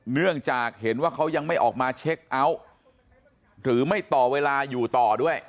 เนื่องจากเห็นว่าเขายังไม่ออกมาเช็คเอาท์หรือไม่ต่อเวลาอยู่ต่อด้วย